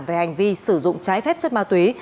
về hành vi sử dụng trái phép chất ma túy